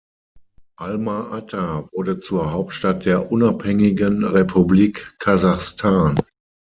Alma-Ata wurde zur Hauptstadt der unabhängigen Republik Kasachstan.